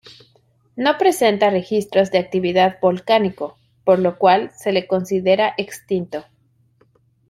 No presenta registros de actividad volcánico, por lo cual se le considera extinto.